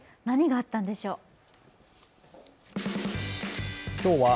何があったんでしょう。